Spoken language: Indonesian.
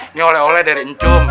ini oleh oleh dari encum